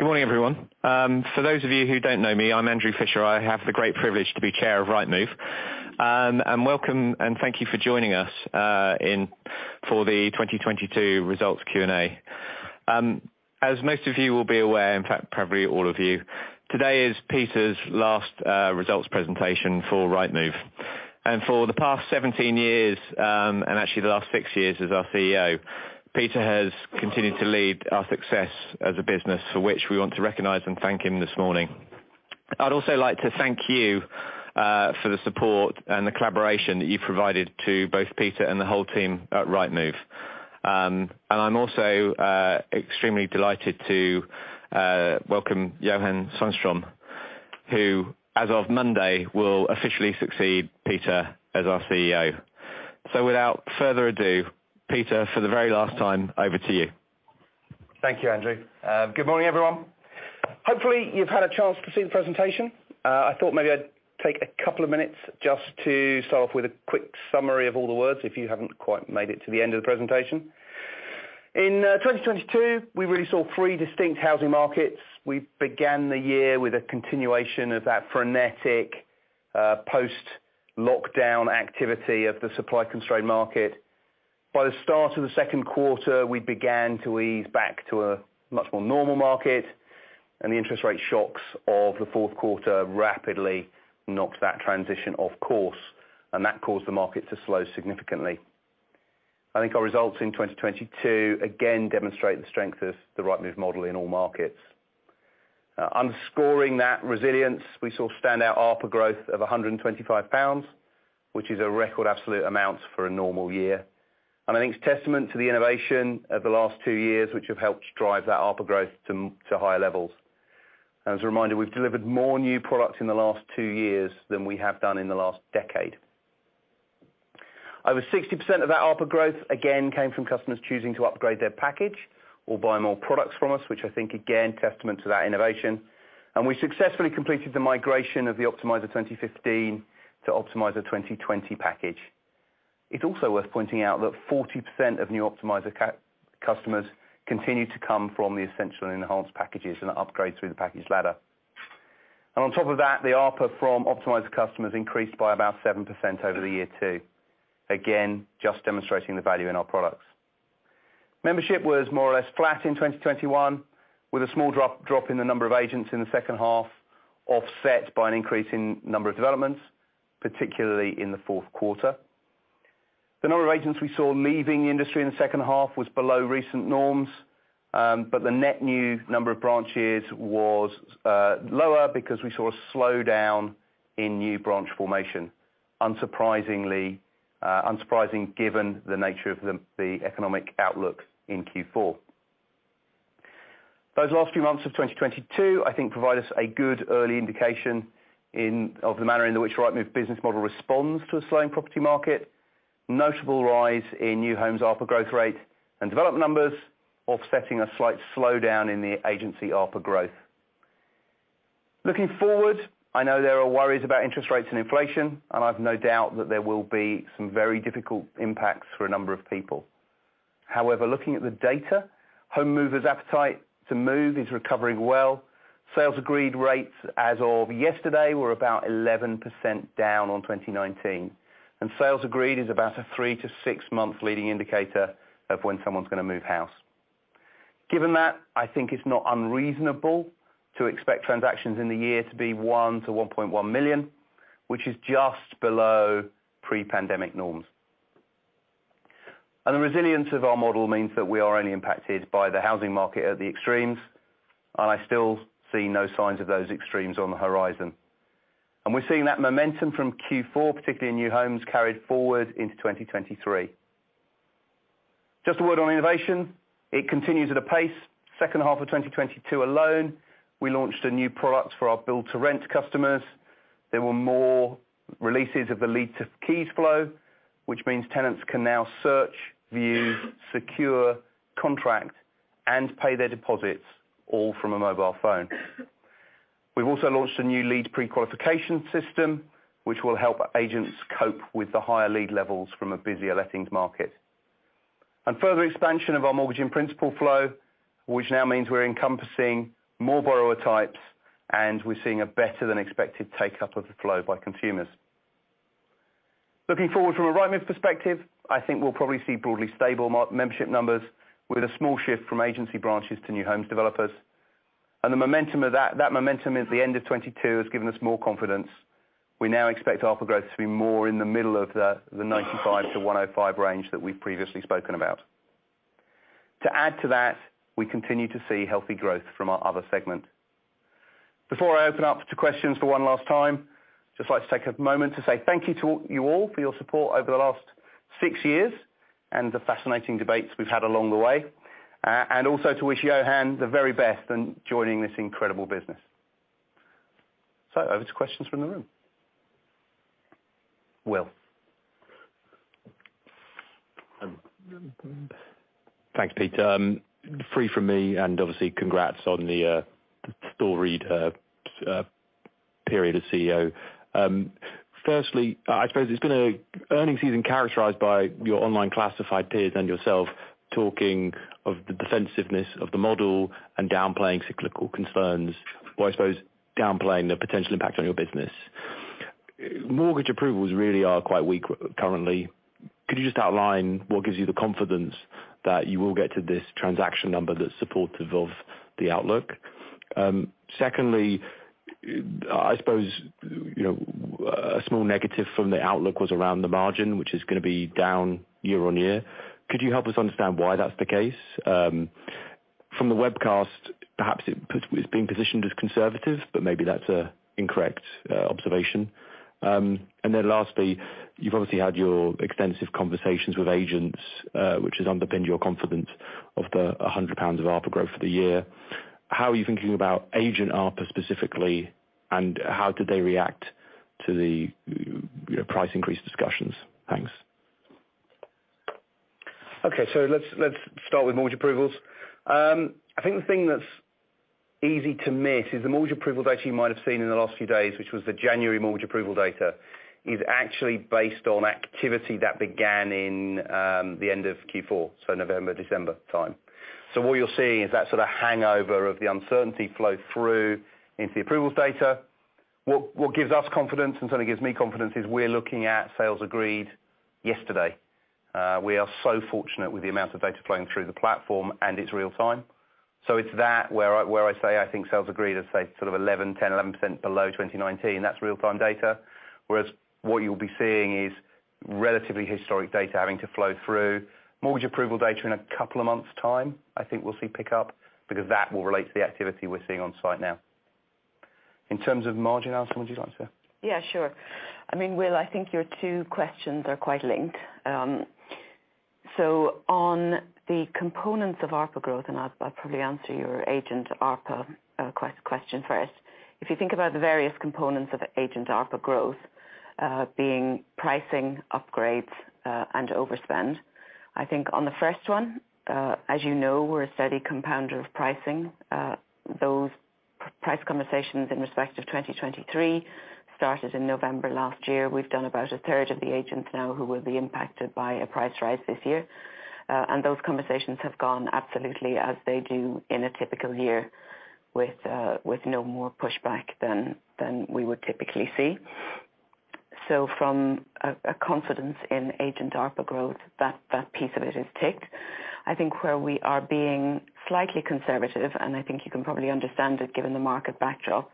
Good morning, everyone. For those of you who don't know me, I'm Andrew Fisher. I have the great privilege to be Chair of Rightmove. Welcome and thank you for joining us for the 2022 results Q&A. As most of you will be aware, in fact, probably all of you, today is Peter's last results presentation for Rightmove. For the past 17 years, and actually the last 6 years as our CEO, Peter has continued to lead our success as a business for which we want to recognize and thank him this morning. I'd also like to thank you for the support and the collaboration that you've provided to both Peter and the whole team at Rightmove. I'm also extremely delighted to welcome Johan Svanstrom, who, as of Monday, will officially succeed Peter as our CEO. Without further ado, Peter, for the very last time, over to you. Thank you, Andrew. Good morning, everyone. Hopefully, you've had a chance to see the presentation. I thought maybe I'd take a couple of minutes just to start off with a quick summary of all the words, if you haven't quite made it to the end of the presentation. In 2022, we really saw 3 distinct housing markets. We began the year with a continuation of that frenetic, post-lockdown activity of the supply constrained market. By the start of the second quarter, we began to ease back to a much more normal market, and the interest rate shocks of the fourth quarter rapidly knocked that transition off course, and that caused the market to slow significantly. I think our results in 2022 again demonstrate the strength of the Rightmove model in all markets. underscoring that resilience, we saw standout ARPA growth of 125 pounds, which is a record absolute amount for a normal year. I think it's testament to the innovation of the last two years, which have helped drive that ARPA growth to higher levels. As a reminder, we've delivered more new products in the last two years than we have done in the last decade. Over 60% of that ARPA growth, again, came from customers choosing to upgrade their package or buy more products from us, which I think again, testament to that innovation. We successfully completed the migration of the Optimiser 2015 to Optimiser 2020 package. It's also worth pointing out that 40% of new Optimiser customers continue to come from the Essential and Enhanced packages and upgrade through the package ladder. On top of that, the ARPA from Optimiser customers increased by about 7% over the year too. Again, just demonstrating the value in our products. Membership was more or less flat in 2021, with a small drop in the number of agents in the second half, offset by an increase in number of developments, particularly in the fourth quarter. The number of agents we saw leaving the industry in the second half was below recent norms, but the net new number of branches was lower because we saw a slowdown in new branch formation. Unsurprisingly, unsurprising given the nature of the economic outlook in Q4. Those last few months of 2022, I think provide us a good early indication of the manner in which Rightmove business model responds to a slowing property market. Notable rise in new homes ARPA growth rate and development numbers offsetting a slight slowdown in the agency ARPA growth. Looking forward, I know there are worries about interest rates and inflation, and I've no doubt that there will be some very difficult impacts for a number of people. However, looking at the data, home movers appetite to move is recovering well. sales agreed rates as of yesterday were about 11% down on 2019, and sales agreed is about a 3-6 month leading indicator of when someone's gonna move house. Given that, I think it's not unreasonable to expect transactions in the year to be 1 million-1.1 million, which is just below pre-pandemic norms. The resilience of our model means that we are only impacted by the housing market at the extremes, and I still see no signs of those extremes on the horizon. We're seeing that momentum from Q4, particularly in new homes, carried forward into 2023. Just a word on innovation, it continues at a pace. Second half of 2022 alone, we launched a new product for our Build to Rent customers. There were more releases of the Lead to Keys flow, which means tenants can now search, view, secure, contract, and pay their deposits all from a mobile phone. We've also launched a new lead pre-qualification system, which will help agents cope with the higher lead levels from a busier lettings market. Further expansion of our Mortgage in Principle flow, which now means we're encompassing more borrower types, and we're seeing a better than expected take up of the flow by consumers. Looking forward from a Rightmove perspective, I think we'll probably see broadly stable membership numbers with a small shift from agency branches to new homes developers. The momentum of that momentum at the end of 2022 has given us more confidence. We now expect ARPA growth to be more in the middle of the 95-105 range that we've previously spoken about. To add to that, we continue to see healthy growth from our other segment. Before I open up to questions for one last time, just like to take a moment to say thank you to you all for your support over the last 6 years and the fascinating debates we've had along the way, and also to wish Johan the very best in joining this incredible business. Over to questions from the room. Will. Thanks, Peter. Free from me, and obviously congrats on the storied. Period as CEO. firstly, I suppose it's been a earnings season characterized by your online classified peers and yourself talking of the defensiveness of the model and downplaying cyclical concerns. I suppose downplaying the potential impact on your business. Mortgage approvals really are quite weak currently. Could you just outline what gives you the confidence that you will get to this transaction number that's supportive of the outlook? secondly, I suppose, you know, a small negative from the outlook was around the margin, which is gonna be down year-on-year. Could you help us understand why that's the case? From the webcast, perhaps it's being positioned as conservative, but maybe that's an incorrect observation. lastly, you've obviously had your extensive conversations with agents, which has underpinned your confidence of the 100 pounds of ARPA growth for the year. How are you thinking about agent ARPA specifically, and how did they react to the, you know, price increase discussions? Thanks. Okay. let's start with mortgage approvals. I think the thing that's easy to miss is the mortgage approval data you might have seen in the last few days, which was the January mortgage approval data, is actually based on activity that began in the end of Q4, so November-December time. What you're seeing is that sort of hangover of the uncertainty flow through into the approvals data. What, what gives us confidence, and certainly gives me confidence, is we're looking at sales agreed yesterday. We are so fortunate with the amount of data flowing through the platform, and it's real-time. It's that where I, where I say I think sales agreed are, say, sort of 11, 10, 11% below 2019. That's real-time data. Whereas what you'll be seeing is relatively historic data having to flow through. Mortgage approval data in a couple of months' time, I think we'll see pick up because that will relate to the activity we're seeing on site now. In terms of margin, Alison, would you like to? Yeah, sure. I mean, Will, I think your 2 questions are quite linked. On the components of ARPA growth, I'll probably answer your agent ARPA question first. If you think about the various components of agent ARPA growth, being pricing, upgrades, overspend, I think on the first one, as you know, we're a steady compounder of pricing. Those price conversations in respect of 2023 started in November last year. We've done about a third of the agents now who will be impacted by a price rise this year. Those conversations have gone absolutely as they do in a typical year with no more pushback than we would typically see. From a confidence in agent ARPA growth, that piece of it is ticked. I think where we are being slightly conservative, and I think you can probably understand it given the market backdrop,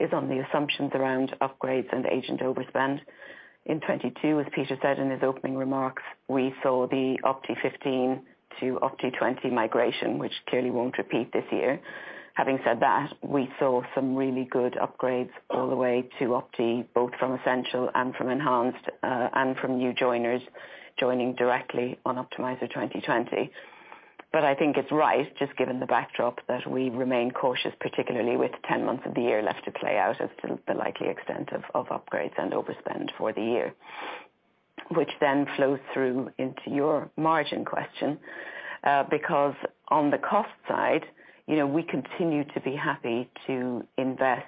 is on the assumptions around upgrades and agent overspend. In 2022, as Peter said in his opening remarks, we saw the Optimiser 15 to Optimiser 20 migration, which clearly won't repeat this year. Having said that, we saw some really good upgrades all the way to Optimiser, both from Essential and from Enhanced, and from new joiners joining directly on Optimiser 2020. I think it's right, just given the backdrop, that we remain cautious, particularly with 10 months of the year left to play out as to the likely extent of upgrades and overspend for the year. Which then flows through into your margin question, because on the cost side, you know, we continue to be happy to invest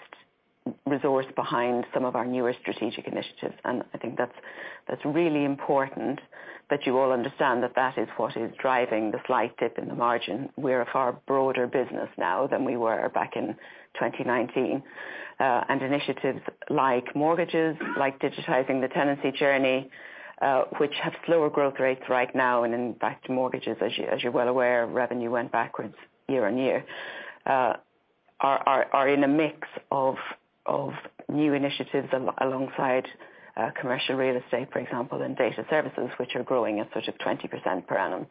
resource behind some of our newer strategic initiatives. I think that's really important that you all understand that that is what is driving the slight dip in the margin. We're a far broader business now than we were back in 2019. Initiatives like mortgages, like digitizing the tenancy journey, which have slower growth rates right now, and in fact, mortgages, as you're well aware, revenue went backwards year-over-year, are in a mix of new initiatives alongside commercial real estate, for example, and data services, which are growing at sort of 20% per annum.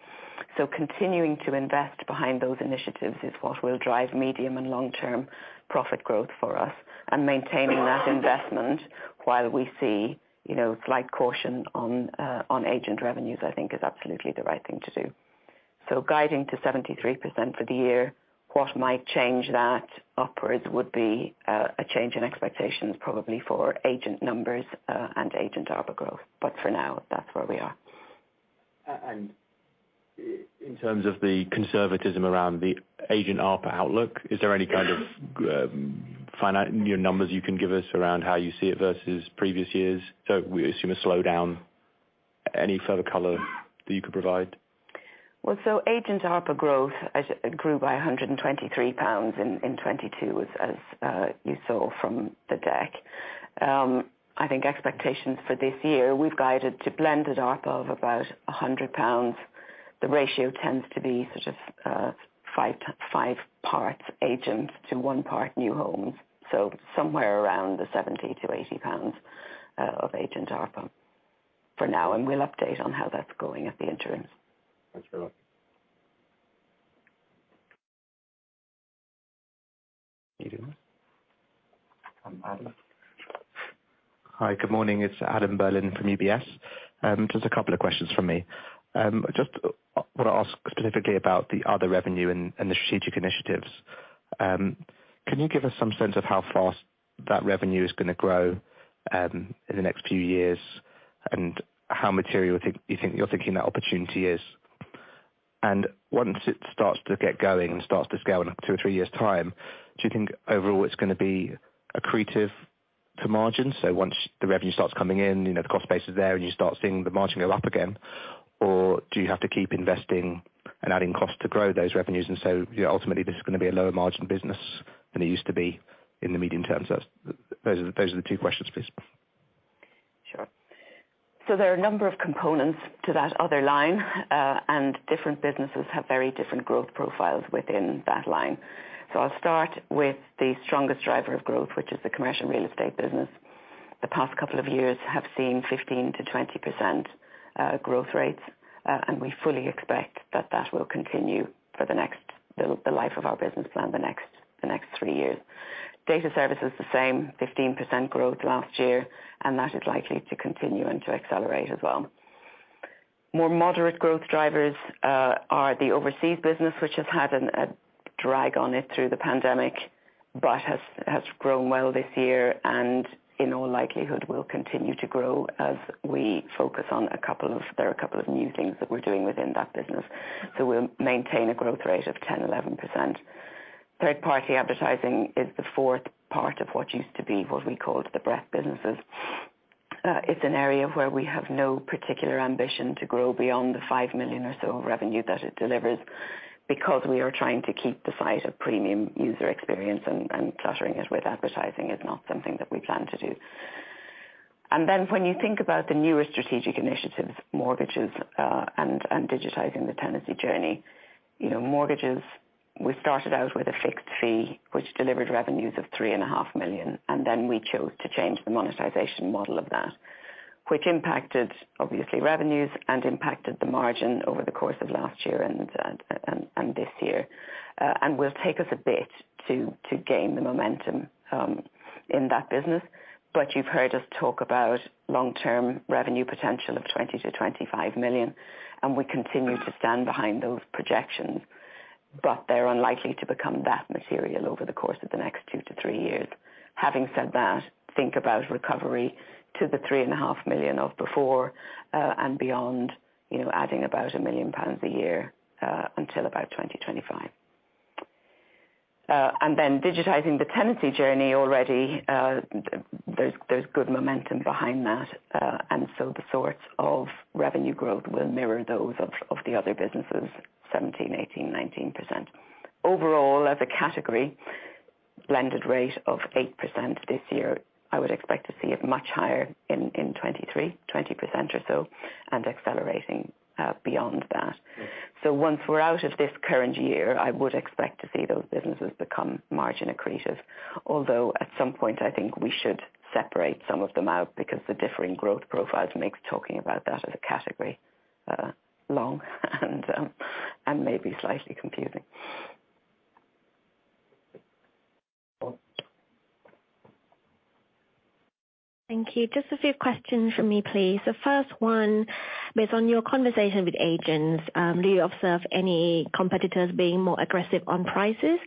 Continuing to invest behind those initiatives is what will drive medium and long-term profit growth for us. Maintaining that investment while we see, you know, slight caution on agent revenues, I think is absolutely the right thing to do. Guiding to 73% for the year, what might change that upwards would be a change in expectations probably for agent numbers, and agent ARPA growth. For now, that's where we are. In terms of the conservatism around the agent ARPA outlook, is there any kind of, you know, numbers you can give us around how you see it versus previous years? We assume a slowdown. Any further color that you could provide? Agent ARPA growth grew by 123 pounds in 2022, as you saw from the deck. I think expectations for this year, we've guided to blended ARPA of about 100 pounds. The ratio tends to be sort of five parts agents to one part new homes. Somewhere around the 70-80 pounds of agent ARPA for now, and we'll update on how that's going at the interim. Thanks very much. Adam. Hi. Good morning. It's Adam Berlin from UBS. Just a couple of questions from me. Just wanna ask specifically about the other revenue and the strategic initiatives. Can you give us some sense of how fast that revenue is gonna grow in the next few years, and how material you think you're thinking that opportunity is? Once it starts to get going and starts to scale in 2 or 3 years time, do you think overall it's gonna be accretive to margin? Once the revenue starts coming in, you know, the cost base is there, and you start seeing the margin go up again, or do you have to keep investing and adding costs to grow those revenues? You know, ultimately this is gonna be a lower margin business than it used to be in the medium term. Those are the 2 questions, please. Sure. There are a number of components to that other line, and different businesses have very different growth profiles within that line. I'll start with the strongest driver of growth, which is the commercial real estate business. The past couple of years have seen 15%-20% growth rates, and we fully expect that that will continue for the life of our business plan, the next three years. Data service is the same, 15% growth last year, and that is likely to continue and to accelerate as well. More moderate growth drivers are the overseas business, which has had an drag on it through the pandemic, but has grown well this year and in all likelihood will continue to grow as we focus on. There are a couple of new things that we're doing within that business. We'll maintain a growth rate of 10%-11%. Third-party advertising is the fourth part of what used to be what we called the breadth businesses. It's an area where we have no particular ambition to grow beyond the 5 million or so revenue that it delivers because we are trying to keep the sight of premium user experience, and cluttering it with advertising is not something that we plan to do. When you think about the newer strategic initiatives, mortgages, and digitizing the tenancy journey, you know, mortgages, we started out with a fixed fee, which delivered revenues of three and a half million, and then we chose to change the monetization model of that, which impacted obviously revenues and impacted the margin over the course of last year and this year, and will take us a bit to gain the momentum in that business. You've heard us talk about long-term revenue potential of 20 million-25 million, and we continue to stand behind those projections. They're unlikely to become that material over the course of the next 2 to 3 years. Having said that, think about recovery to the 3.5 million of before, and beyond, you know, adding about 1 million pounds a year, until about 2025. Then digitizing the tenancy journey already, there's good momentum behind that. The sorts of revenue growth will mirror those of the other businesses, 17%, 18%, 19%. Overall as a category, blended rate of 8% this year, I would expect to see it much higher in 2023, 20% or so, and accelerating beyond that. Once we're out of this current year, I would expect to see those businesses become margin accretive. Although at some point, I think we should separate some of them out because the differing growth profiles makes talking about that as a category, long and maybe slightly confusing. Thank you. Just a few questions from me, please. The first one, based on your conversation with agents, do you observe any competitors being more aggressive on prices?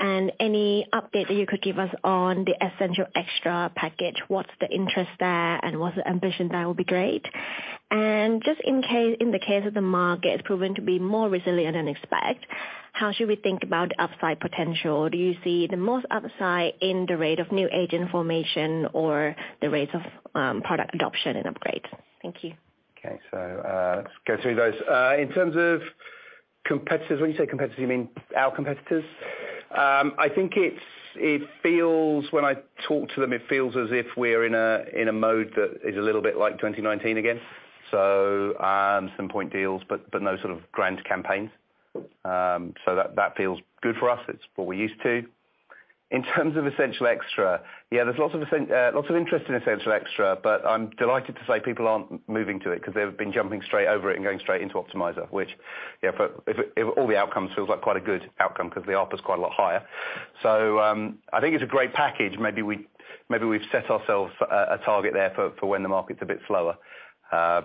Any update that you could give us on the Essential Extra package, what's the interest there and what's the ambition there will be great. Just in case the market is proven to be more resilient than expect, how should we think about upside potential? Do you see the most upside in the rate of new agent formation or the rates of product adoption and upgrades? Thank you. Okay. Go through those. In terms of competitors, when you say competitors, you mean our competitors? It feels, when I talk to them, it feels as if we're in a mode that is a little bit like 2019 again. Some point deals, but no sort of grand campaigns. That feels good for us. It's what we're used to. In terms of Essential Extra, yeah, there's lots of interest in Essential Extra, but I'm delighted to say people aren't moving to it because they've been jumping straight over it and going straight into Optimiser, which, you know, all the outcomes feels like quite a good outcome because the offer's quite a lot higher. I think it's a great package. Maybe we've set ourselves a target there for when the market's a bit slower. Yeah,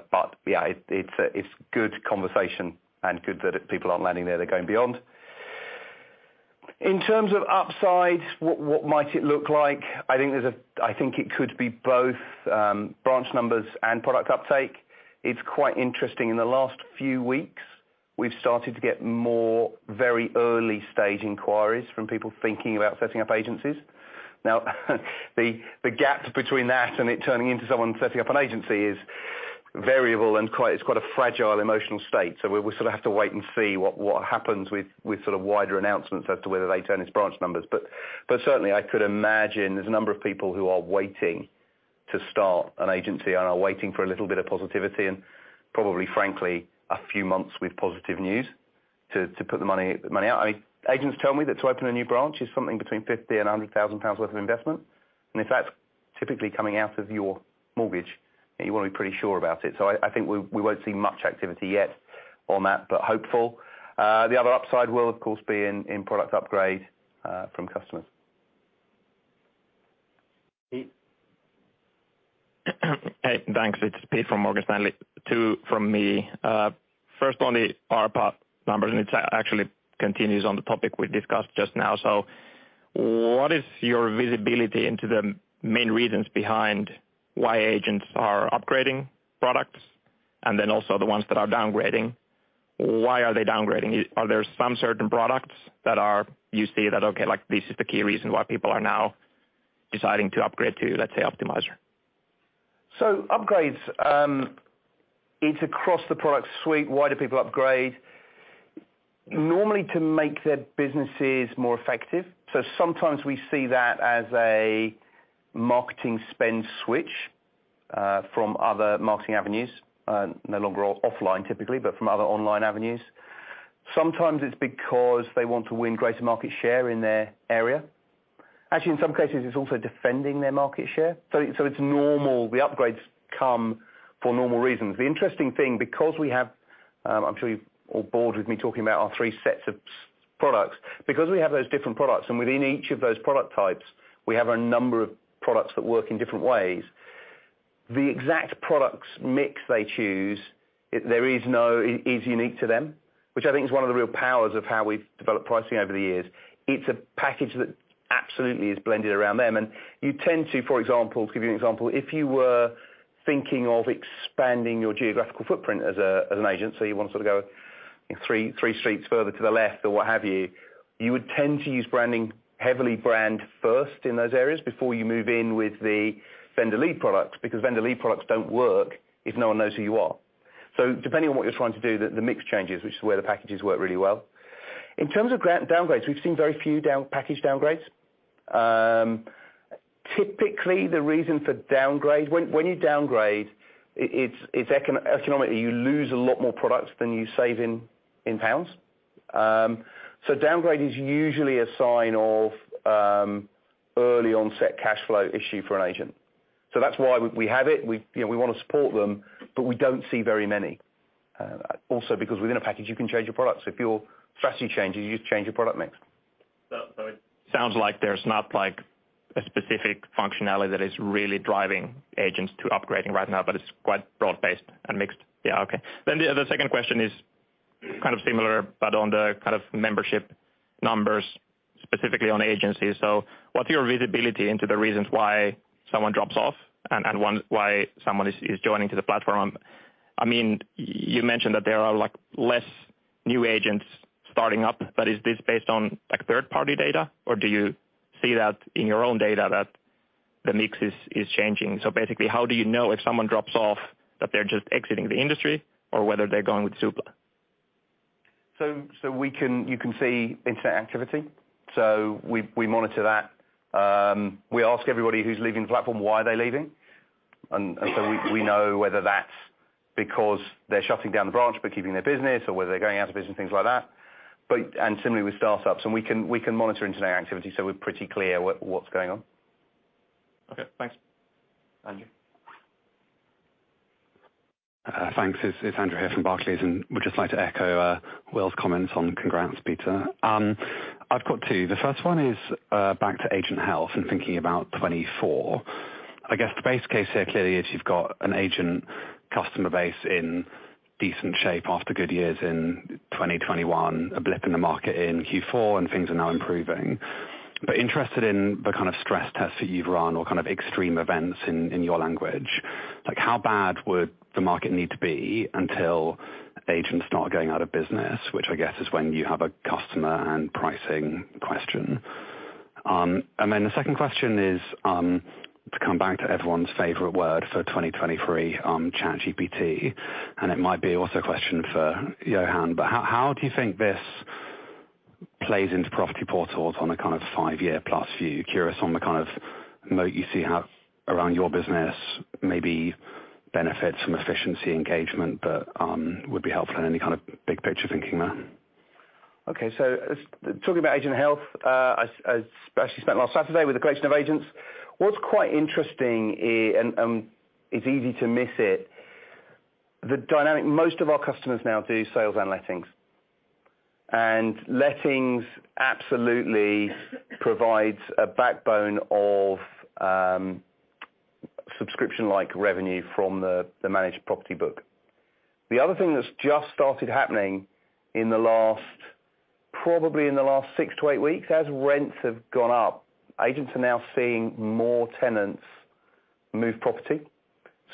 it's a good conversation and good that people aren't landing there. They're going beyond. In terms of upside, what might it look like? I think it could be both, branch numbers and product uptake. It's quite interesting. In the last few weeks, we've started to get more very early-stage inquiries from people thinking about setting up agencies. The gap between that and it turning into someone setting up an agency is variable and it's quite a fragile emotional state. We sort of have to wait and see what happens with wider announcements as to whether they turn as branch numbers. Certainly I could imagine there's a number of people who are waiting to start an agency and are waiting for a little bit of positivity and probably frankly, a few months with positive news to put the money out. I mean, agents tell me that to open a new branch is something between 50 thousand and 100 thousand pounds worth of investment. If that's typically coming out of your mortgage, you wanna be pretty sure about it. I think we won't see much activity yet on that, but hopeful. The other upside will of course be in product upgrade from customers. Pete. Hey, thanks. It's Pete from Morgan Stanley. Two from me. First on the ARPA numbers, it actually continues on the topic we discussed just now. What is your visibility into the main reasons behind why agents are upgrading products and then also the ones that are downgrading, why are they downgrading? Are there some certain products that you see that okay, like this is the key reason why people are now deciding to upgrade to, let's say, Optimiser? Upgrades, it's across the product suite. Why do people upgrade? Normally to make their businesses more effective. Sometimes we see that as a marketing spend switch from other marketing avenues, no longer offline typically, but from other online avenues. Sometimes it's because they want to win greater market share in their area. Actually, in some cases, it's also defending their market share. It's normal. The upgrades come for normal reasons. The interesting thing, because we have, I'm sure you're all bored with me talking about our three sets of products. Because we have those different products, and within each of those product types, we have a number of products that work in different ways. The exact products mix they choose is unique to them, which I think is one of the real powers of how we've developed pricing over the years. It's a package that absolutely is blended around them. You tend to, for example, to give you an example, if you were thinking of expanding your geographical footprint as an agency, you want to sort of go three streets further to the left or what have you would tend to use branding, heavily brand first in those areas before you move in with the vendor lead products, because vendor lead products don't work if no one knows who you are. Depending on what you're trying to do, the mix changes, which is where the packages work really well. In terms of downgrades, we've seen very few package downgrades. Typically the reason for downgrade... When you downgrade, it's economically, you lose a lot more products than you save in GBP. Downgrade is usually a sign of early onset cash flow issue for an agent. That's why we have it. We, you know, we want to support them, but we don't see very many. Also because within a package, you can change your products. If your strategy changes, you change your product mix. It sounds like there's not like a specific functionality that is really driving agents to upgrading right now, but it's quite broad-based and mixed. Yeah. Okay. The second question is kind of similar, but on the kind of membership numbers, specifically on agencies. What's your visibility into the reasons why someone drops off and why someone is joining to the platform? I mean, you mentioned that there are, like, less new agents starting up, but is this based on, like, third-party data, or do you see that in your own data that the mix is changing? Basically, how do you know if someone drops off that they're just exiting the industry or whether they're going with Zoopla? We can see internet activity. We monitor that. We ask everybody who's leaving the platform, why are they leaving? We know whether that's because they're shutting down the branch but keeping their business or whether they're going out of business, things like that. Similarly with startups. We can monitor internet activity, so we're pretty clear what's going on. Okay, thanks. Andrew. Thanks. It's Andrew here from Barclays, would just like to echo Will's comments on congrats, Peter. I've got two. The first one is back to agent health and thinking about 2024. I guess the base case here clearly is you've got an agent customer base in decent shape after good years in 2021, a blip in the market in Q4, things are now improving. Interested in the kind of stress tests that you've run or kind of extreme events in your language. Like, how bad would the market need to be until agents start going out of business, which I guess is when you have a customer and pricing question. Then the second question is to come back to everyone's favorite word for 2023, ChatGPT, it might be also a question for Johan. How do you think this plays into property portals on a kind of 5-year plus view? Curious on the kind of moat you see how around your business maybe benefits from efficiency engagement, but would be helpful in any kind of big picture thinking there. Okay. Talking about agent health, I actually spent last Saturday with a collection of agents. What's quite interesting is, it's easy to miss it, the dynamic, most of our customers now do sales and lettings. Lettings absolutely provides a backbone of subscription-like revenue from the managed property book. The other thing that's just started happening in the last, probably in the last 6-8 weeks, as rents have gone up, agents are now seeing more tenants move property.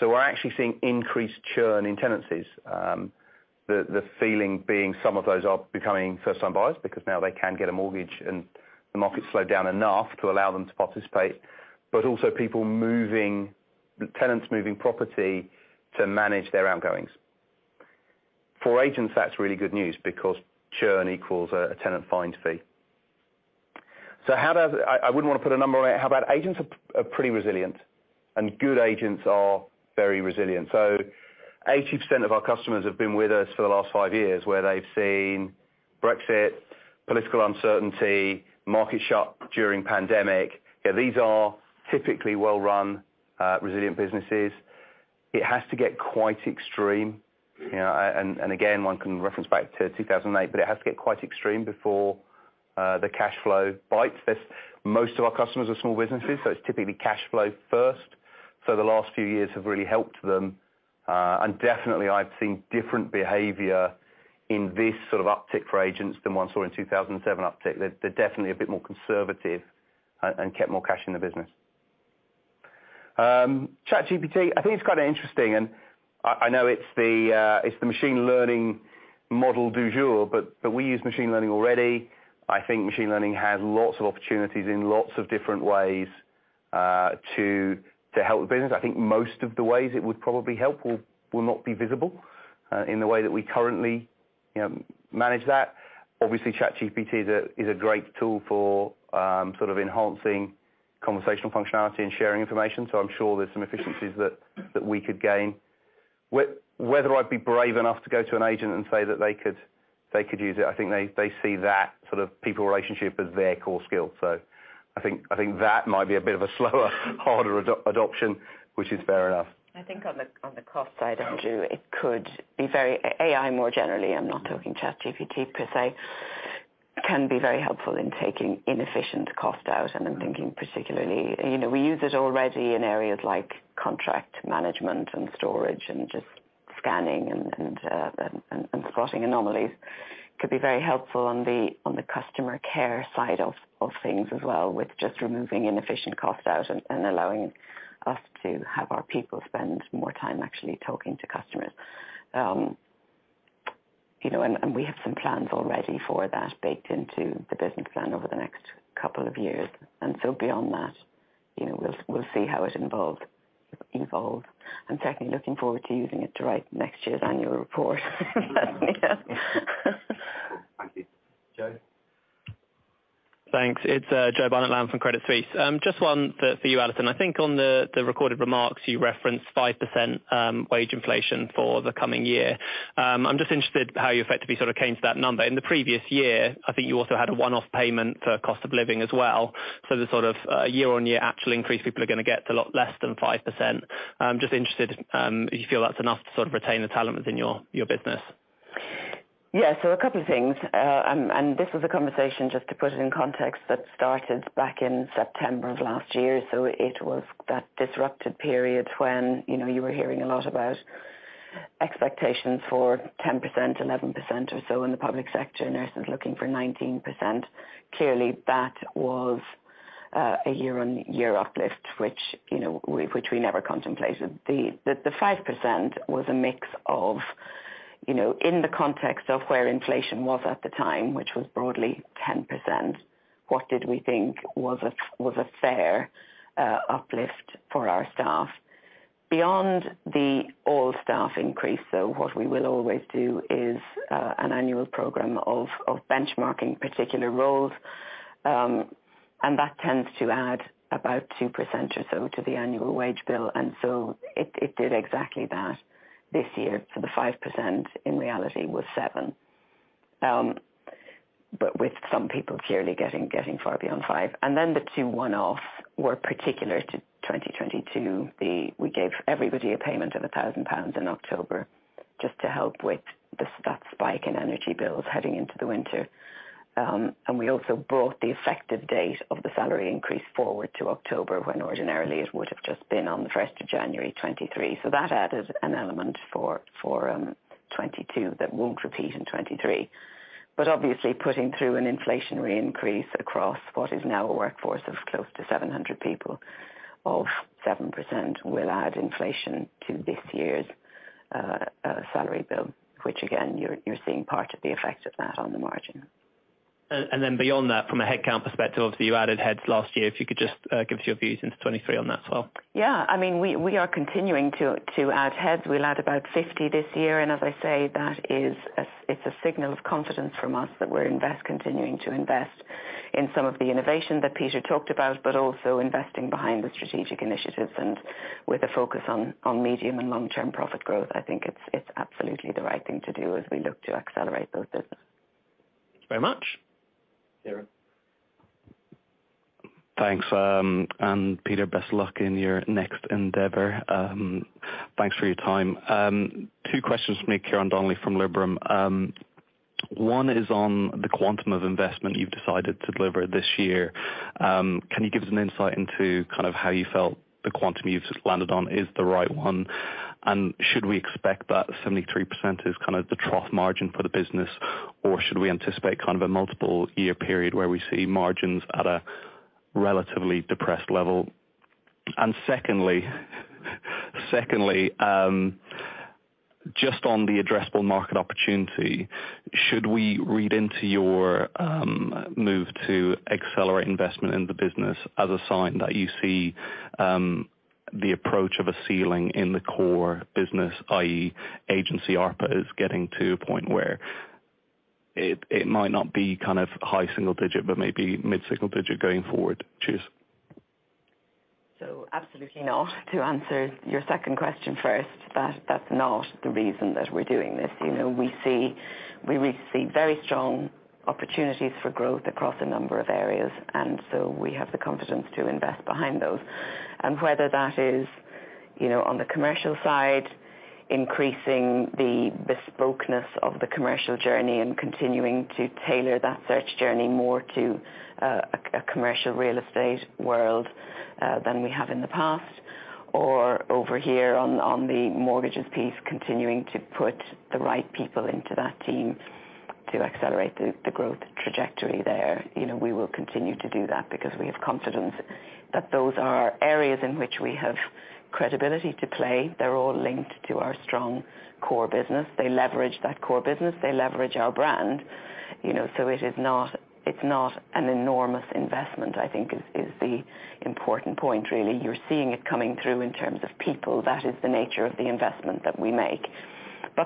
We're actually seeing increased churn in tenancies. The feeling being some of those are becoming first-time buyers because now they can get a mortgage and the market slowed down enough to allow them to participate. Also tenants moving property to manage their outgoings. For agents, that's really good news because churn equals a tenant find fee. I wouldn't want to put a number on it. How about agents are pretty resilient, and good agents are very resilient. 80% of our customers have been with us for the last 5 years, where they've seen Brexit, political uncertainty, market shut during pandemic. You know, these are typically well-run, resilient businesses. It has to get quite extreme, you know, and again, one can reference back to 2008, but it has to get quite extreme before the cash flow bites. Most of our customers are small businesses, so it's typically cash flow first. The last few years have really helped them. Definitely I've seen different behavior in this sort of uptick for agents than one saw in 2007 uptick. They're definitely a bit more conservative and kept more cash in the business. ChatGPT, I think it's kind of interesting, and I know it's the machine learning model du jour, but we use machine learning already. I think machine learning has lots of opportunities in lots of different ways to help the business. I think most of the ways it would probably help will not be visible in the way that we currently, you know, manage that. Obviously, ChatGPT is a great tool for sort of enhancing conversational functionality and sharing information, so I'm sure there's some efficiencies that we could gain. Whether I'd be brave enough to go to an agent and say that they could use it, I think they see that sort of people relationship as their core skill. I think that might be a bit of a slower, harder adoption, which is fair enough. I think on the, on the cost side, Andrew, it could be very AI more generally, I'm not talking ChatGPT per se, can be very helpful in taking inefficient cost out. I'm thinking particularly, you know, we use it already in areas like contract management and storage and just scanning and spotting anomalies. Could be very helpful on the, on the customer care side of things as well, with just removing inefficient cost out and allowing us to have our people spend more time actually talking to customers. You know, and we have some plans already for that baked into the business plan over the next couple of years. Beyond that, you know, we'll see how it evolve. I'm certainly looking forward to using it to write next year's annual report. Cool. Thank you. Joe? Thanks. It's Joseph Barnet-Lamb from Credit Suisse. Just one for you, Alison. I think on the recorded remarks, you referenced 5%, wage inflation for the coming year. I'm just interested how you effectively sort of came to that number. In the previous year, I think you also had a one-off payment for cost of living as well. So the sort of year-on-year actual increase people are gonna get is a lot less than 5%. I'm just interested if you feel that's enough to sort of retain the talent within your business. Yeah. A couple things. And this was a conversation, just to put it in context, that started back in September of last year, so it was that disrupted period when, you know, you were hearing a lot about expectations for 10%, 11% or so in the public sector, nurses looking for 19%. Clearly, that was a year-on-year uplift, which, you know, which we never contemplated. The 5% was a mix of, you know, in the context of where inflation was at the time, which was broadly 10%, what did we think was a fair uplift for our staff? Beyond the all staff increase, so what we will always do is an annual program of benchmarking particular roles, and that tends to add about 2% or so to the annual wage bill. It did exactly that this year, for the 5% in reality was 7%. With some people clearly getting far beyond 5%. The two one-off were particular to 2022. We gave everybody a payment of 1,000 pounds in October just to help with the, that spike in energy bills heading into the winter. We also brought the effective date of the salary increase forward to October, when originally it would've just been on January 2023. That added an element for 2022 that won't repeat in 2023. obviously putting through an inflationary increase across what is now a workforce of close to 700 people, of 7% will add inflation to this year's salary bill, which again, you're seeing part of the effect of that on the margin. Then beyond that, from a headcount perspective, obviously you added heads last year. If you could just give us your views into 2023 on that as well. Yeah. I mean, we are continuing to add heads. We'll add about 50 this year. As I say, it's a signal of confidence from us that we're continuing to invest in some of the innovation that Peter talked about, but also investing behind the strategic initiatives and with a focus on medium and long-term profit growth. I think it's absolutely the right thing to do as we look to accelerate those businesses. Thanks very much. Ciarán. Thanks. Peter, best luck in your next endeavor. Thanks for your time. 2 questions from me, Ciarán Donnelly from Liberum. 1 is on the quantum of investment you've decided to deliver this year. Can you give us an insight into kind of how you felt the quantum you've landed on is the right one? Should we expect that 73% is kind of the trough margin for the business? Should we anticipate kind of a multiple year period where we see margins at a relatively depressed level? Secondly, just on the addressable market opportunity, should we read into your move to accelerate investment in the business as a sign that you see the approach of a ceiling in the core business, i.e. agency ARPA is getting to a point where it might not be kind of high single digit, but maybe mid-single digit going forward? Cheers. Absolutely not, to answer your second question first. That's not the reason that we're doing this. You know, we see very strong opportunities for growth across a number of areas. We have the confidence to invest behind those. Whether that is, you know, on the commercial side, increasing the bespokeness of the commercial journey and continuing to tailor that search journey more to a commercial real estate world than we have in the past. Over here on the mortgages piece, continuing to put the right people into that team to accelerate the growth trajectory there. You know, we will continue to do that because we have confidence that those are areas in which we have credibility to play. They're all linked to our strong core business. They leverage that core business. They leverage our brand. You know, it is not, it's not an enormous investment, I think is the important point really. You're seeing it coming through in terms of people. That is the nature of the investment that we make.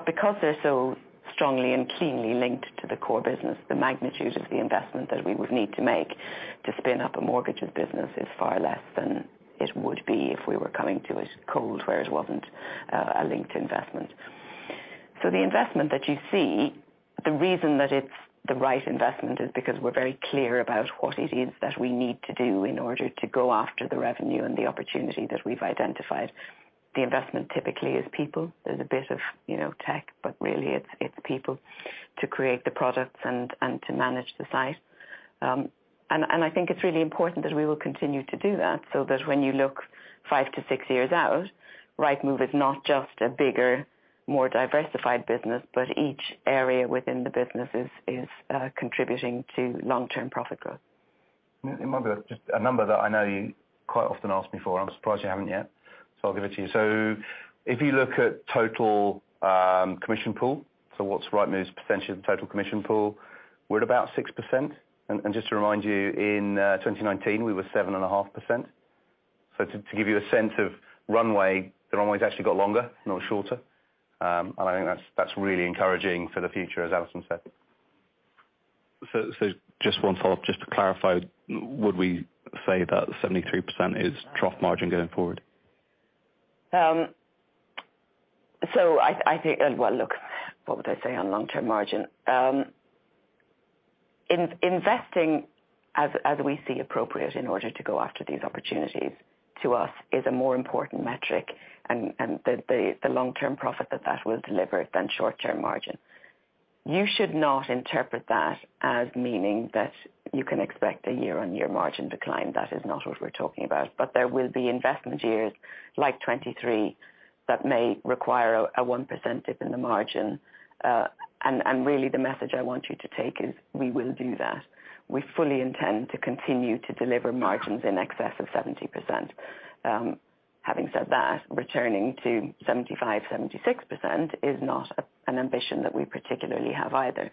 Because they're so strongly and cleanly linked to the core business, the magnitude of the investment that we would need to make to spin up a mortgages business is far less than it would be if we were coming to it cold, where it wasn't a linked investment. The investment that you see, the reason that it's the right investment is because we're very clear about what it is that we need to do in order to go after the revenue and the opportunity that we've identified. The investment typically is people. There's a bit of, you know, tech, but really it's people to create the products and to manage the site. I think it's really important that we will continue to do that so that when you look 5 to 6 years out, Rightmove is not just a bigger, more diversified business, but each area within the business is contributing to long-term profit growth. Margaret, just a number that I know you quite often ask me for, and I'm surprised you haven't yet, so I'll give it to you. If you look at total commission pool, what's Rightmove's potential total commission pool, we're at about 6%. Just to remind you, in 2019 we were 7.5%. To give you a sense of runway, the runway's actually got longer, not shorter. I think that's really encouraging for the future, as Alison said. Just one follow-up. Just to clarify, would we say that 73% is trough margin going forward? Well, look, what would I say on long-term margin? Investing as we see appropriate in order to go after these opportunities to us is a more important metric and the long-term profit that will deliver than short-term margin. You should not interpret that as meaning that you can expect a year-on-year margin decline. That is not what we're talking about. There will be investment years like 23 that may require a 1% dip in the margin. Really the message I want you to take is we will do that. We fully intend to continue to deliver margins in excess of 70%. Having said that, returning to 75%-76% is not an ambition that we particularly have either,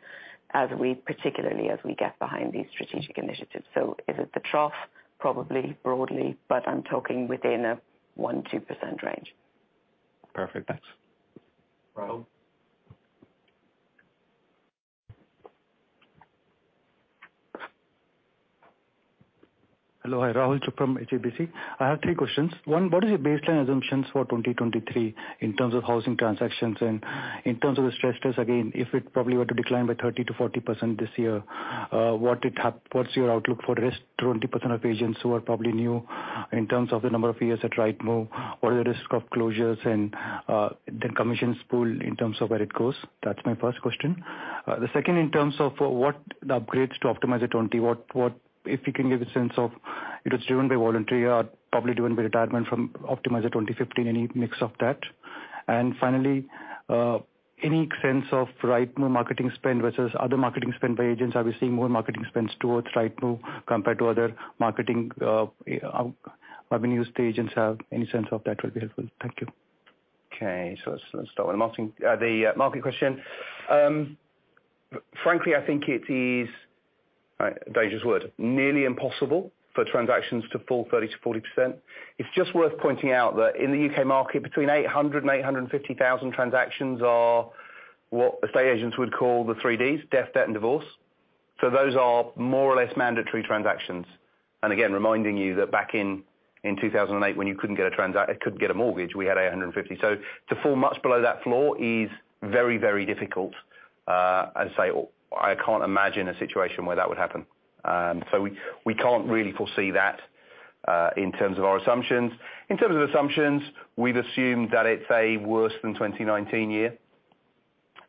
as we particularly get behind these strategic initiatives. Is it the trough? Probably, broadly, but I'm talking within a 1%-2% range. Perfect. Thanks. Rahul? Hello. Rahul Chopra, HSBC. I have three questions. One, what is your baseline assumptions for 2023 in terms of housing transactions? In terms of the stress test, again, if it probably were to decline by 30%-40% this year, what's your outlook for the rest 20% of agents who are probably new in terms of the number of years at Rightmove? What is the risk of closures and the commissions pool in terms of where it goes? That's my first question. The second, in terms of what the upgrades to Optimiser 20, what... If you can give a sense of it was driven by voluntary or probably driven by retirement from Optimiser 2015, any mix of that? Finally, any sense of Rightmove marketing spend versus other marketing spend by agents? Are we seeing more marketing spends towards Rightmove compared to other marketing avenues the agents have? Any sense of that will be helpful. Thank you. Okay. Let's start with the marketing, the market question. Frankly, I think it is dangerous word, nearly impossible for transactions to fall 30%-40%. It's just worth pointing out that in the U.K. market, between 800,000 and 850,000 transactions are what estate agents would call the three Ds, death, debt, and divorce. Those are more or less mandatory transactions. Again, reminding you that back in 2008 when you couldn't get a mortgage, we had 850. To fall much below that floor is very, very difficult. As I say, I can't imagine a situation where that would happen. We can't really foresee that in terms of our assumptions. In terms of assumptions, we've assumed that it's a worse than 2019 year.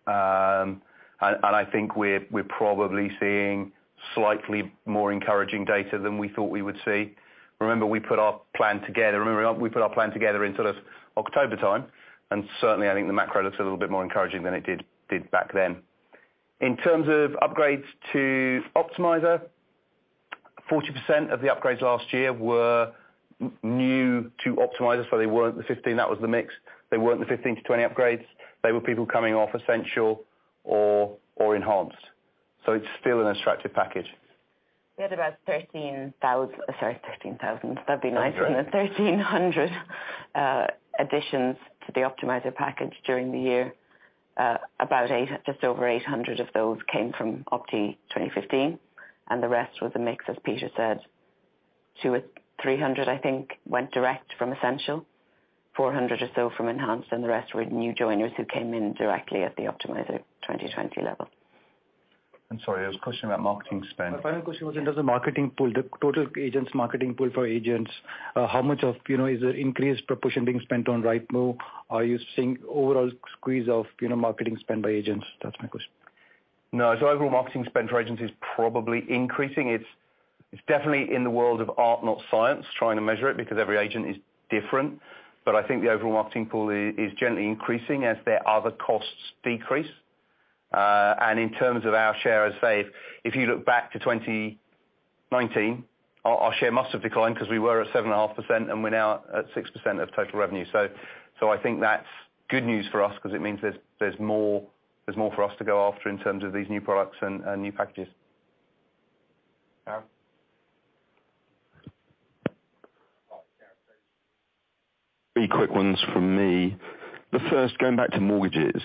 I think we're probably seeing slightly more encouraging data than we thought we would see. Remember we put our plan together in sort of October time. Certainly I think the macro looks a little bit more encouraging than it did back then. In terms of upgrades to Optimiser, 40% of the upgrades last year were new to Optimiser, so they weren't the 15. That was the mix. They weren't the 15-20 upgrades. They were people coming off Essential or Enhanced. It's still an attractive package. We had about 13,000. Sorry, 13,000, that'd be nice- That's right.... wouldn't it? 1,300 additions to the Optimiser package during the year. Just over 800 of those came from Optimiser 2015, and the rest were the mix, as Peter said. 200 or 300, I think, went direct from Essential, 400 or so from Enhanced, and the rest were new joiners who came in directly at the Optimiser 2020 level. I'm sorry, I was questioning about marketing spend. My final question was in terms of marketing pool, the total agents marketing pool for agents, how much of, you know, is there increased proportion being spent on Rightmove? Are you seeing overall squeeze of, you know, marketing spend by agents? That's my question. No. Overall marketing spend for agents is probably increasing. It's definitely in the world of art, not science, trying to measure it because every agent is different. I think the overall marketing pool is generally increasing as their other costs decrease. And in terms of our share, as Dave, if you look back to 2019, our share must have declined 'cause we were at 7.5%, and we're now at 6% of total revenue. I think that's good news for us 'cause it means there's more for us to go after in terms of these new products and new packages. Um. Three quick ones from me. The first, going back to mortgages,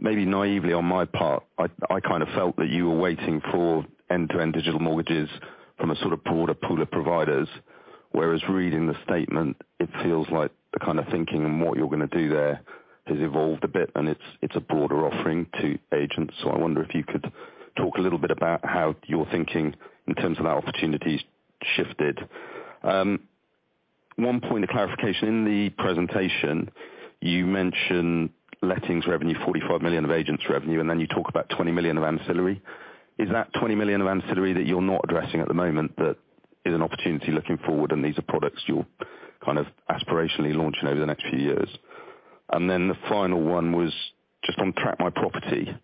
maybe naively on my part, I kind of felt that you were waiting for end-to-end digital mortgages from a sort of broader pool of providers. Whereas reading the statement, it feels like the kind of thinking and what you're gonna do there has evolved a bit, and it's a broader offering to agents. I wonder if you could talk a little bit about how your thinking in terms of that opportunity's shifted. One point of clarification. In the presentation, you mention lettings revenue 45 million of agents' revenue, and then you talk about 20 million of ancillary. Is that 20 million of ancillary that you're not addressing at the moment that is an opportunity looking forward, and these are products you're kind of aspirationally launching over the next few years? The final one was just on Track My Property.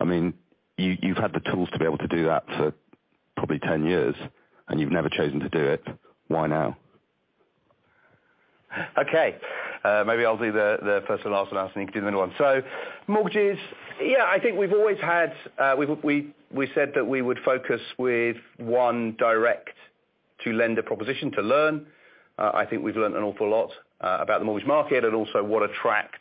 I mean, you've had the tools to be able to do that for probably ten years, and you've never chosen to do it. Why now? Okay. Maybe I'll do the first and last analysis, you can do the middle one. Mortgages, yeah, I think we've always had, we said that we would focus with one direct to lender proposition to learn. I think we've learned an awful lot about the mortgage market and also what attracts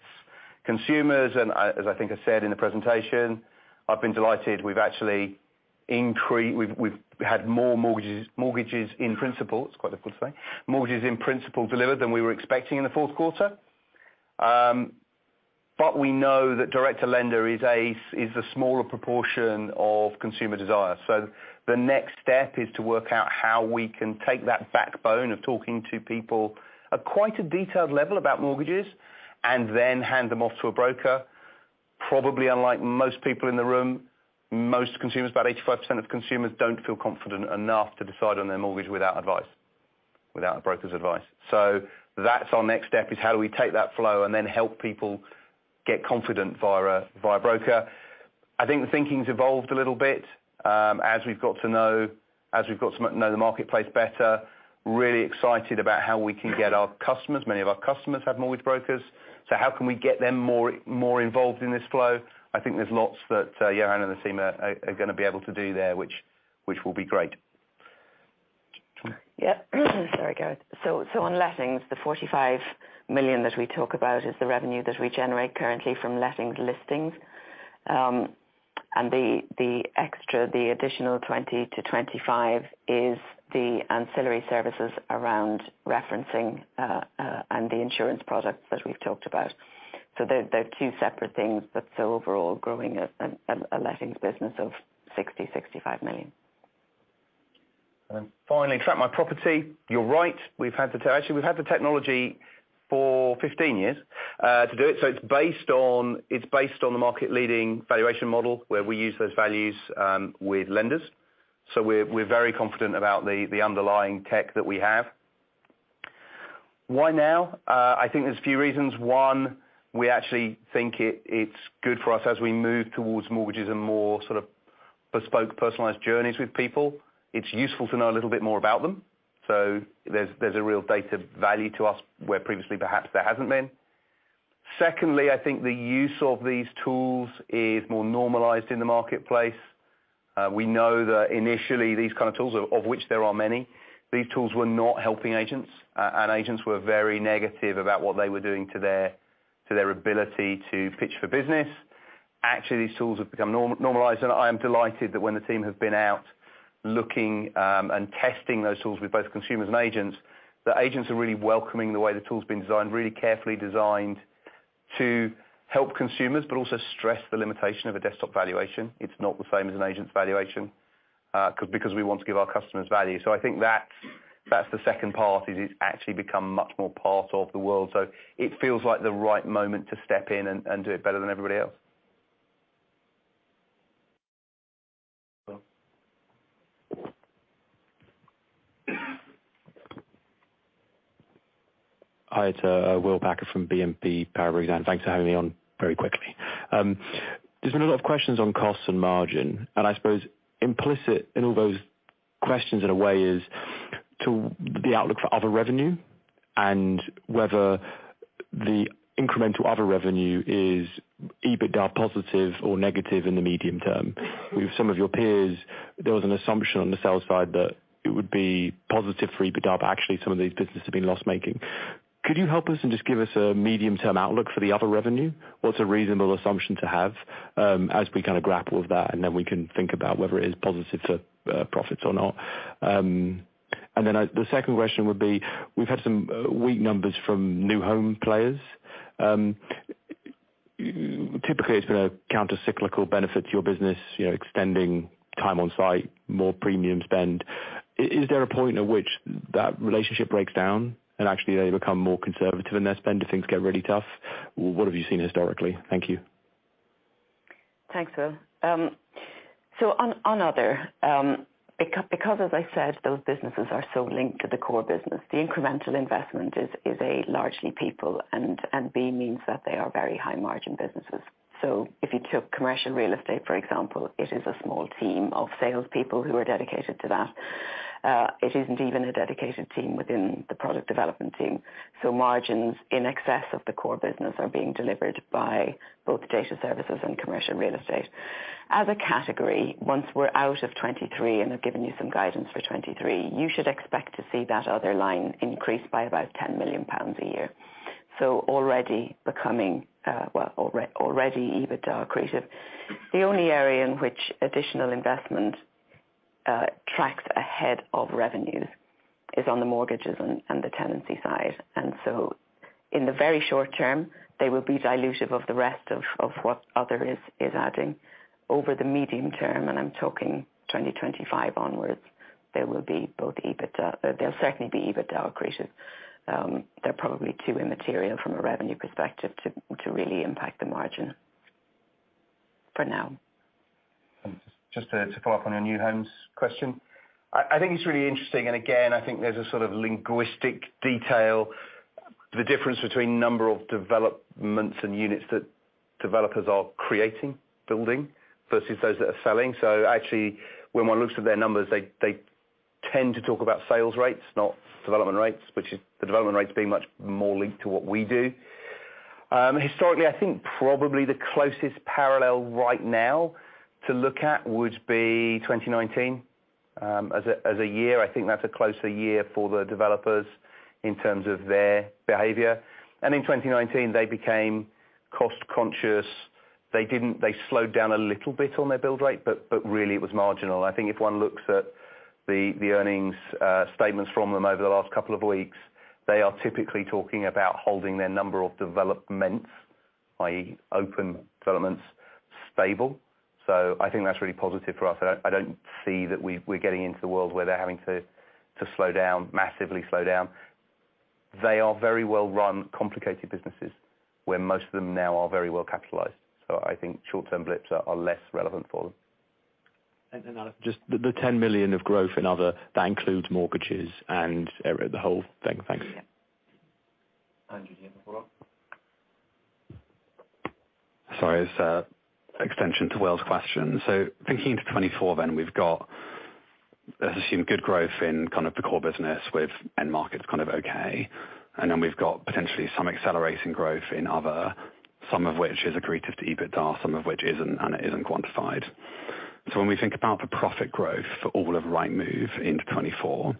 consumers. As I think I said in the presentation, I've been delighted we've actually increased. We've had more Mortgage in Principle, it's quite difficult to say, Mortgage in Principle delivered than we were expecting in the fourth quarter. We know that direct to lender is a smaller proportion of consumer desire. The next step is to work out how we can take that backbone of talking to people at quite a detailed level about mortgages and then hand them off to a broker. Probably unlike most people in the room, most consumers, about 85% of consumers don't feel confident enough to decide on their mortgage without advice, without a broker's advice. That's our next step, is how do we take that flow and then help people get confident via a broker. I think the thinking's evolved a little bit, as we've got to know, as we've got to know the marketplace better, really excited about how we can get our customers, many of our customers have mortgage brokers. How can we get them more involved in this flow? I think there's lots that Johan and the team are gonna be able to do there, which will be great. Yeah. Sorry, go on. On lettings, the 45 million that we talk about is the revenue that we generate currently from lettings listings. The extra, the additional 20 million-25 million is the ancillary services around referencing and the insurance products that we've talked about. They're two separate things that's overall growing a lettings business of 60 million-65 million. Finally, Track My Property. You're right. Actually, we've had the technology for 15 years to do it's based on the market leading valuation model where we use those values with lenders. We're very confident about the underlying tech that we have. Why now? I think there's a few reasons. One, we actually think it's good for us as we move towards mortgages and more sort of bespoke, personalized journeys with people. It's useful to know a little bit more about them. There's a real data value to us where previously perhaps there hasn't been. Secondly, I think the use of these tools is more normalized in the marketplace. We know that initially these kind of tools, of which there are many, these tools were not helping agents. Agents were very negative about what they were doing to their ability to pitch for business. Actually, these tools have become norm-normalized, I am delighted that when the team have been out looking, and testing those tools with both consumers and agents, the agents are really welcoming the way the tool's been designed, really carefully designed to help consumers, but also stress the limitation of a desktop valuation. It's not the same as an agent's valuation, because we want to give our customers value. I think that's the second part, is it's actually become much more part of the world. It feels like the right moment to step in and do it better than everybody else. Well Hi, it's Will Packer from BNP Paribas Exane. Thanks for having me on very quickly. There's been a lot of questions on cost and margin, I suppose implicit in all those questions in a way is to the outlook for other revenue and whether the incremental other revenue is EBITDA positive or negative in the medium term. With some of your peers, there was an assumption on the sales side that it would be positive for EBITDA, actually some of these businesses have been loss-making. Could you help us and just give us a medium-term outlook for the other revenue? What's a reasonable assumption to have as we kind of grapple with that, then we can think about whether it is positive to profits or not. The second question would be, we've had some weak numbers from new home players. Typically, it's been a counter cyclical benefit to your business, you know, extending time on site, more premium spend. Is there a point at which that relationship breaks down and actually they become more conservative in their spend if things get really tough? What have you seen historically? Thank you. Thanks, Will. On, on other, as I said, those businesses are so linked to the core business, the incremental investment is largely people, and B, means that they are very high margin businesses. If you took commercial real estate, for example, it is a small team of salespeople who are dedicated to that. It isn't even a dedicated team within the product development team. Margins in excess of the core business are being delivered by both data services and commercial real estate. As a category, once we're out of 2023, and I've given you some guidance for 2023, you should expect to see that other line increase by about 10 million pounds a year. Already becoming, well, already EBITDA accretive. The only area in which additional investment tracks ahead of revenues is on the mortgages and the tenancy side. In the very short term, they will be dilutive of the rest of what other is adding. Over the medium term, and I'm talking 2025 onwards, they will be both EBITDA. They'll certainly be EBITDA accretive. They're probably too immaterial from a revenue perspective to really impact the margin for now. Just to follow up on your new homes question. I think it's really interesting, and again, I think there's a sort of linguistic detail, the difference between number of developments and units that developers are creating, building, versus those that are selling. Actually when one looks at their numbers, they tend to talk about sales rates, not development rates, which is the development rates being much more linked to what we do. Historically, I think probably the closest parallel right now to look would be 2019 as a year. I think that's a closer year for the developers in terms of their behavior. In 2019, they became cost conscious. They slowed down a little bit on their build rate, but really it was marginal. I think if one looks at the earnings statements from them over the last couple of weeks, they are typically talking about holding their number of developments, i.e. open developments, stable. I think that's really positive for us. I don't see that we're getting into the world where they're having to slow down, massively slow down. They are very well run, complicated businesses, where most of them now are very well capitalized. I think short term blips are less relevant for them. Just the 10 million of growth in other, that includes mortgages and the whole thing. Thanks. Yeah. Andrew, do you have a follow-up? Sorry, it's extension to Will's question. Thinking into 2024 then, we've got, let's assume, good growth in kind of the core business with end markets kind of okay. Then we've got potentially some accelerating growth in other, some of which is accretive to EBITDA, some of which isn't, and it isn't quantified. When we think about the profit growth for all of Rightmove into 2024,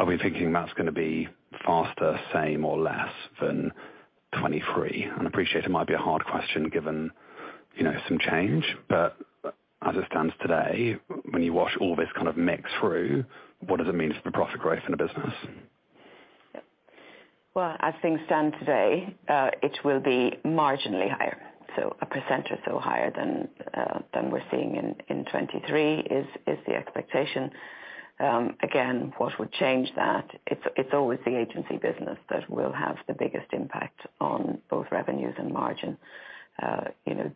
are we thinking that's gonna be faster, same or less than 2023? I appreciate it might be a hard question given, you know, some change. As it stands today, when you wash all this kind of mix through, what are the means for the profit growth in the business? Well, as things stand today, it will be marginally higher. A % or so higher than we're seeing in 2023 is the expectation. Again, what would change that? It's always the agency business that will have the biggest impact on both revenues and margin. You know,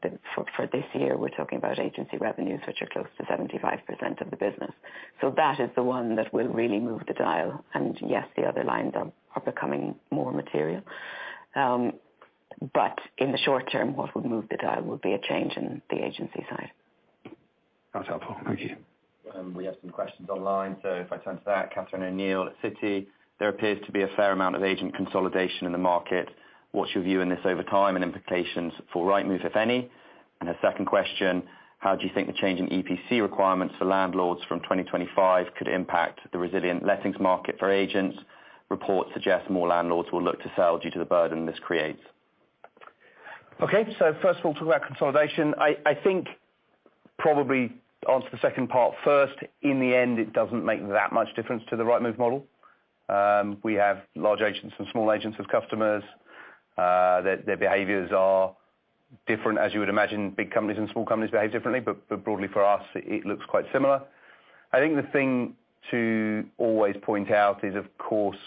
for this year, we're talking about agency revenues, which are close to 75% of the business. That is the one that will really move the dial. Yes, the other lines are becoming more material. In the short term, what would move the dial would be a change in the agency side. That's helpful. Thank you. We have some questions online. So if I turn to that, Catherine O'Neill at Citi. There appears to be a fair amount of agent consolidation in the market. What's your view in this over time and implications for Rightmove, if any? A second question. How do you think the change in EPC requirements for landlords from 2025 could impact the resilient lettings market for agents? Reports suggest more landlords will look to sell due to the burden this creates. Okay. First of all, talk about consolidation. I think probably answer the second part first. In the end, it doesn't make that much difference to the Rightmove model. We have large agents and small agents as customers. Their, their behaviors are different. As you would imagine, big companies and small companies behave differently. But broadly for us, it looks quite similar. I think the thing to always point out is, of course,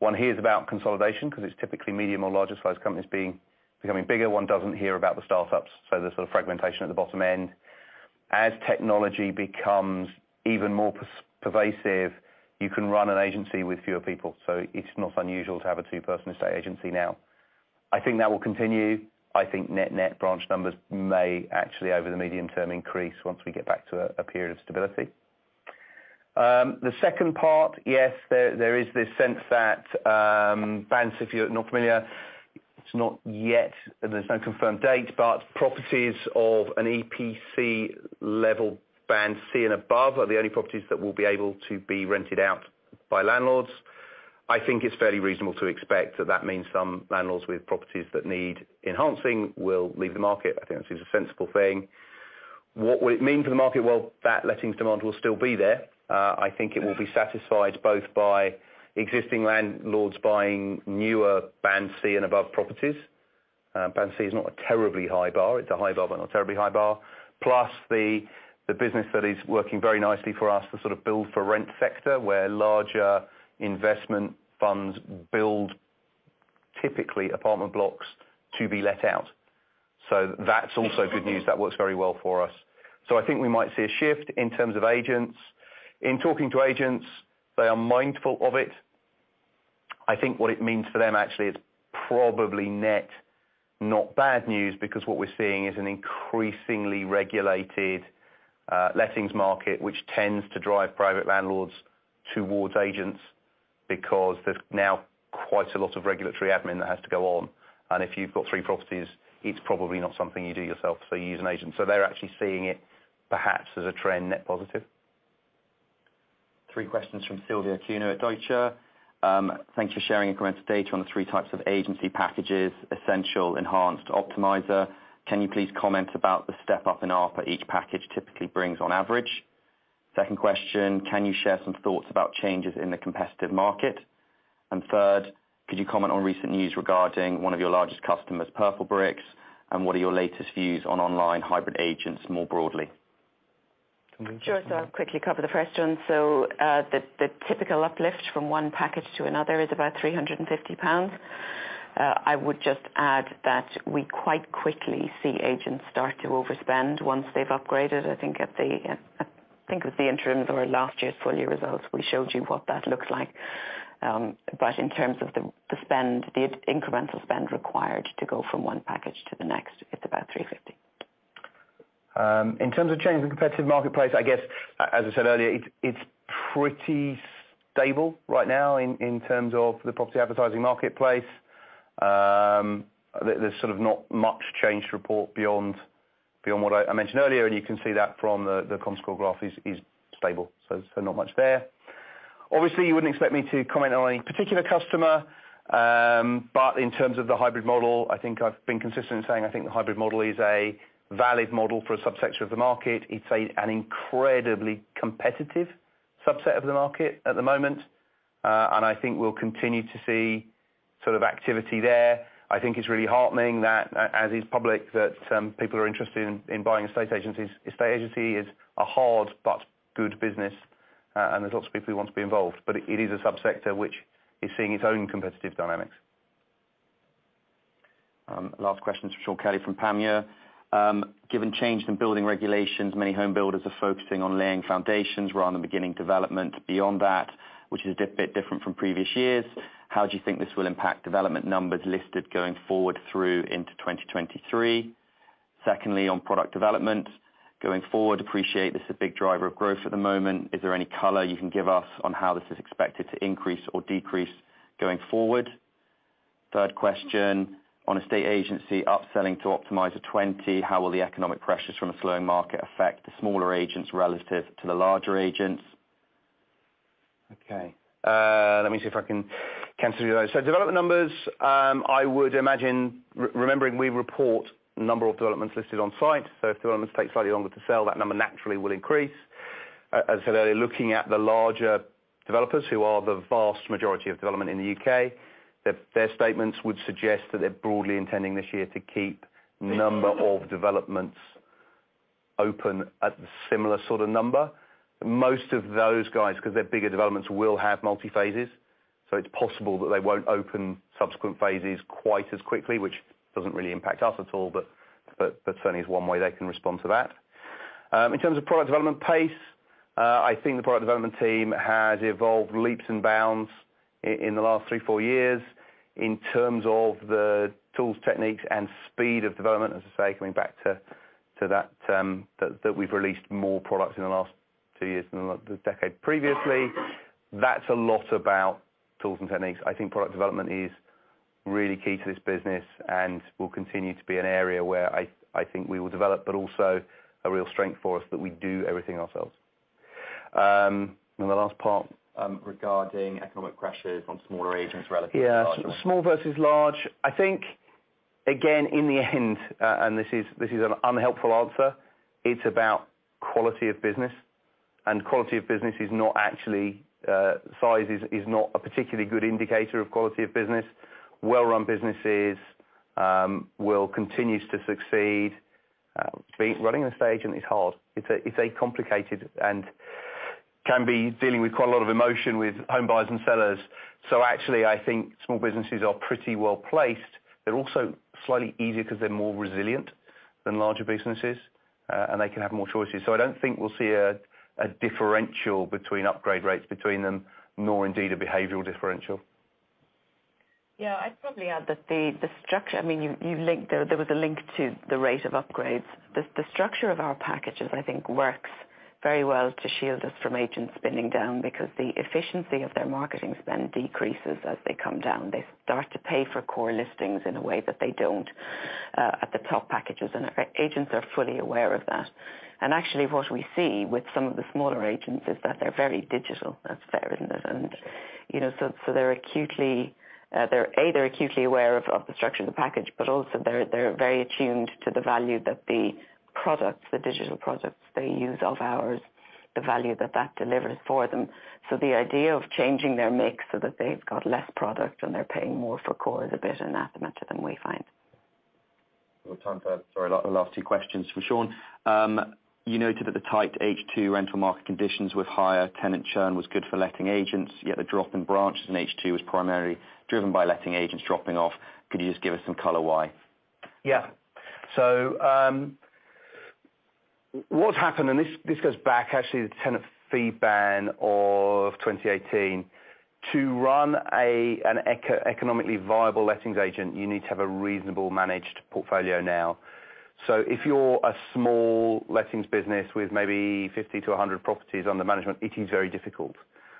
one hears about consolidation 'cause it's typically medium or larger size companies being, becoming bigger. One doesn't hear about the startups, so the sort of fragmentation at the bottom end. As technology becomes even more pervasive, you can run an agency with fewer people. It's not unusual to have a two-person estate agency now. I think that will continue. I think net-net branch numbers may actually, over the medium term, increase once we get back to a period of stability. The second part, yes, there is this sense that, bands, if you're not familiar, it's not yet and there's no confirmed date, but properties of an EPC level Band C and above are the only properties that will be able to be rented out by landlords. I think it's fairly reasonable to expect that that means some landlords with properties that need enhancing will leave the market. I think this is a sensible thing. What will it mean for the market? Well, that lettings demand will still be there. I think it will be satisfied both by existing landlords buying newer Band C and above properties. Band C is not a terribly high bar. It's a high bar, but not a terribly high bar. The business that is working very nicely for us, the sort of Build to Rent sector, where larger investment funds build typically apartment blocks to be let out. That's also good news. That works very well for us. I think we might see a shift in terms of agents. In talking to agents, they are mindful of it. I think what it means for them, actually, it's probably net not bad news, because what we're seeing is an increasingly regulated lettings market, which tends to drive private landlords towards agents because there's now quite a lot of regulatory admin that has to go on. If you've got three properties, it's probably not something you do yourself, so you use an agent. They're actually seeing it perhaps as a trend net positive. Three questions from Silvia Cuneo at Deutsche. Thanks for sharing incremental data on the three types of agency packages, Essential, Enhanced, Optimiser. Can you please comment about the step-up in output each package typically brings on average? Second question, can you share some thoughts about changes in the competitive market? Third, could you comment on recent news regarding one of your largest customers, Purplebricks, and what are your latest views on online hybrid agents more broadly? Can we take that? Sure. I'll quickly cover the first one. The typical uplift from one package to another is about 350 pounds. I would just add that we quite quickly see agents start to overspend once they've upgraded. I think at the, I think it was the interim or last year's full year results, we showed you what that looks like. In terms of the spend, the incremental spend required to go from one package to the next, it's about 350. In terms of changing the competitive marketplace, I guess, as I said earlier, it's pretty stable right now in terms of the property advertising marketplace. There's sort of not much change to report beyond what I mentioned earlier, and you can see that from the Comscore graph is stable. Not much there. Obviously, you wouldn't expect me to comment on any particular customer. In terms of the hybrid model, I think I've been consistent in saying I think the hybrid model is a valid model for a sub-sector of the market. It's an incredibly competitive subset of the market at the moment. I think we'll continue to see sort of activity there. I think it's really heartening that as is public, that people are interested in buying estate agencies. Estate agency is a hard but good business. There's lots of people who want to be involved. It is a sub-sector which is seeing its own competitive dynamics. Last question is from Sean Kealy from Panmure. Given changes in building regulations, many home builders are focusing on laying foundations rather than beginning development beyond that, which is a bit different from previous years. How do you think this will impact development numbers listed going forward through into 2023? Secondly, on product development, going forward, appreciate this is a big driver of growth at the moment, is there any color you can give us on how this is expected to increase or decrease going forward? Third question, on estate agency upselling to Optimiser 20, how will the economic pressures from a slowing market affect the smaller agents relative to the larger agents? Okay. Let me see if I can answer those. Development numbers, I would imagine remembering we report number of developments listed on site. If developments take slightly longer to sell, that number naturally will increase. As I said earlier, looking at the larger developers who are the vast majority of development in the U.K., their statements would suggest that they're broadly intending this year to keep number of developments open at a similar sort of number. Most of those guys, because they're bigger developments, will have multi-phases. It's possible that they won't open subsequent phases quite as quickly, which doesn't really impact us at all, but certainly is one way they can respond to that. In terms of product development pace, I think the product development team has evolved leaps and bounds in the last 3, 4 years in terms of the tools, techniques, and speed of development. As I say, coming back to that we've released more products in the last 2 years than the decade previously. That's a lot about tools and techniques. I think product development is really key to this business and will continue to be an area where I think we will develop, but also a real strength for us that we do everything ourselves. The last part? Regarding economic pressures on smaller agents relative to larger. Yeah. Small versus large. I think, again, in the end, this is, this is an unhelpful answer. It's about quality of business. Quality of business is not actually size. Size is not a particularly good indicator of quality of business. Well-run businesses will continue to succeed. Running an estate agent is hard. It's a complicated and can be dealing with quite a lot of emotion with home buyers and sellers. Actually, I think small businesses are pretty well-placed. They're also slightly easier because they're more resilient than larger businesses. They can have more choices. I don't think we'll see a differential between upgrade rates between them, nor indeed a behavioral differential. Yeah. I'd probably add that the structure. I mean, you linked. There was a link to the rate of upgrades. The structure of our packages, I think, works very well to shield us from agents spinning down because the efficiency of their marketing spend decreases as they come down. They start to pay for core listings in a way that they don't at the top packages. Agents are fully aware of that. Actually, what we see with some of the smaller agents is that they're very digital. That's fair, isn't it? You know, they're acutely aware of the structure of the package, but also they're very attuned to the value that the products, the digital products they use of ours, the value that that delivers for them. The idea of changing their mix so that they've got less product and they're paying more for core is a bit anathema to them, we find. We've time for, sorry, the last two questions for Sean. You noted that the tight H2 rental market conditions with higher tenant churn was good for letting agents, yet the drop in branches in H2 was primarily driven by letting agents dropping off. Could you just give us some color why? Yeah. What's happened, this goes back actually to the tenant fee ban of 2018. To run an economically viable lettings agent, you need to have a reasonable managed portfolio now. If you're a small lettings business with maybe 50 to 100 properties under management, it is very difficult.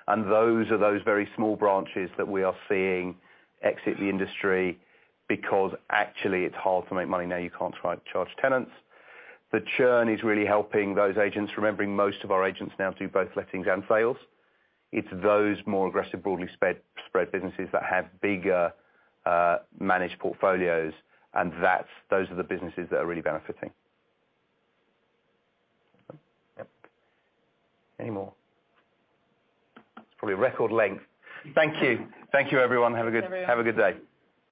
Those are those very small branches that we are seeing exit the industry because actually it's hard to make money now you can't try to charge tenants. The churn is really helping those agents, remembering most of our agents now do both lettings and sales. It's those more aggressive, broadly spread businesses that have bigger managed portfolios, those are the businesses that are really benefiting. Yep. Any more? It's probably a record length. Thank you. Thank you, everyone. Have a good- Thanks, everyone. Have a good day.